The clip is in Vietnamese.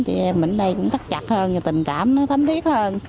chị em mình ở đây cũng tắt chặt hơn và tình cảm thấm thiết hơn